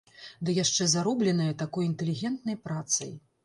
Ды яшчэ заробленыя такой інтэлігентнай працай!